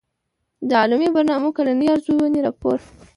د علمي برنامو کلنۍ ارزوني راپور